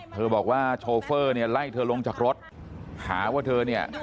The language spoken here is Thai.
บอกว่าโชเฟอร์เนี่ยไล่เธอลงจากรถหาว่าเธอเนี่ย